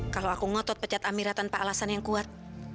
kalau aku ngotot pecat amira tanpa alasan yang kuat